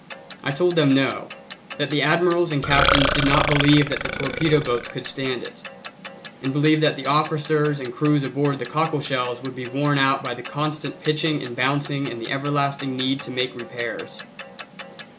I told them no, that the admirals and captains did not believe that the torpedo boats could stand it, and believed that the officers and crews aboard the cockle shells would be worn out by the constant pitching and bouncing and the everlasting need to make repairs.